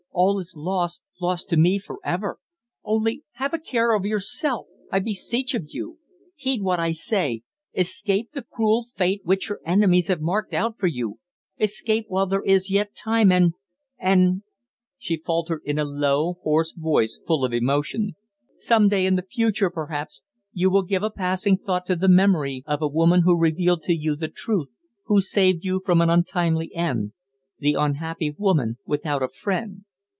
All is lost lost to me for ever! Only have a care of yourself, I beseech of you! Heed what I say. Escape the cruel fate which your enemies have marked out for you escape while there is yet time, and and," she faltered in a low, hoarse voice, full of emotion, "some day in the future, perhaps, you will give a passing thought to the memory of a woman who revealed to you the truth who saved you from an untimely end the unhappy woman without a friend!"